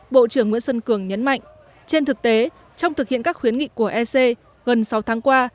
bộ trưởng nguyễn xuân cường nhấn mạnh trên thực tế trong thực hiện các khuyến nghị của ec gần sáu tháng qua